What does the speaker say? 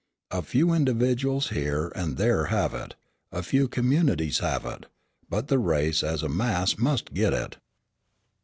A few individuals here and there have it, a few communities have it; but the race as a mass must get it.